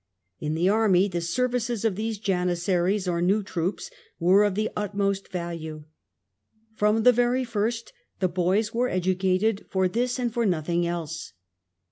In the army the services of these Janis saries (new troops) were of the utmost value. From the very first the boys were educated for this and for nothing else.